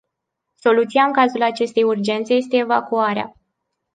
Soluția în cazul acestei urgențe este evacuarea.